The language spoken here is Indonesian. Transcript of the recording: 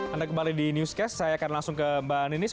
anda kembali di newscast saya akan langsung ke mbak ninis